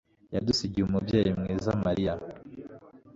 yadusigiye umubyeyi mwiza mariya